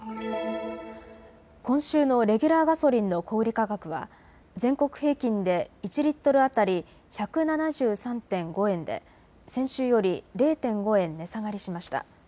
今週のレギュラーガソリンの小売価格は全国平均で１リットル当たり１７３．５円で先週より０．５円値下がりしました。